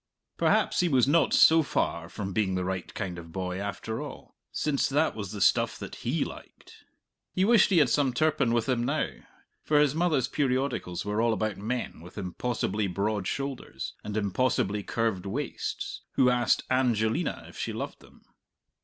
Perhaps he was not so far from being the right kind of boy, after all, since that was the stuff that he liked. He wished he had some Turpin with him now, for his mother's periodicals were all about men with impossibly broad shoulders and impossibly curved waists who asked Angelina if she loved them.